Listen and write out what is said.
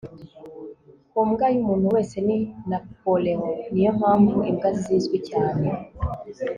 ku mbwa ye, umuntu wese ni napoleon; niyo mpamvu imbwa zizwi cyane